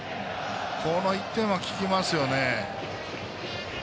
この１点は効きますよね。